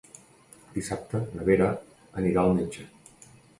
Dissabte na Vera anirà al metge.